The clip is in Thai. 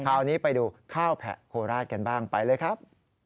คราวนี้ไปดูข้าวแผะโคราชกันบ้างไปเลยครับ